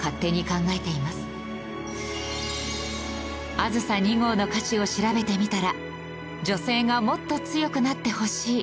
『あずさ２号』の歌詞を調べてみたら「女性がもっと強くなってほしい」